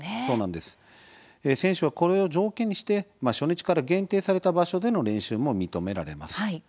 選手はこれを条件に初日から限定された場所での練習も認められます。